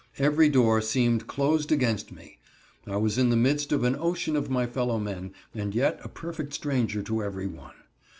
Every door seemed closed against me. I was in the midst of an ocean of my fellow men, and yet a perfect stranger to every one.